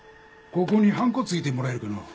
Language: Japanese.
ここにハンコついてもらえるかのう。